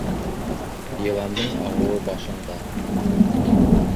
Йыландың ағыуы башында.